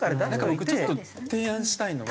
僕ちょっと提案したいのが。